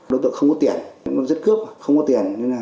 đối tượng không có tiền giết cướp không có tiền